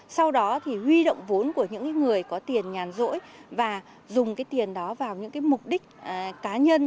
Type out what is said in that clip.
sau đó huy động vốn của những người có tiền nhàn dỗi và dùng tiền đó vào những mục đích cá nhân